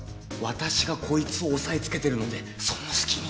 私がコイツを押さえつけてるのでその隙に